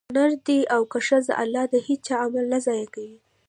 که نر دی او که ښځه؛ الله د هيچا عمل نه ضائع کوي